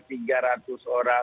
tidak ada persoalan